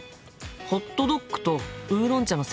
ホットドッグとウーロン茶のセット